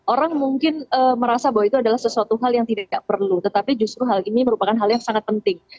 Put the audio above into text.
orang mungkin merasa bahwa itu adalah sesuatu hal yang tidak perlu tetapi justru hal ini merupakan hal yang sangat penting